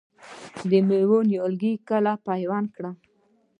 د مڼو نیالګي کله پیوند کړم؟